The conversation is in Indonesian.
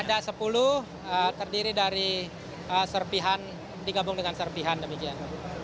ada sepuluh terdiri dari serpihan digabung dengan serpihan demikian